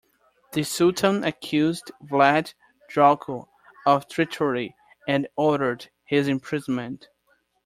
The sultan accused Vlad Dracul of treachery and ordered his imprisonment.